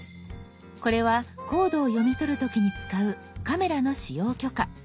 これはコードを読み取る時に使うカメラの使用許可。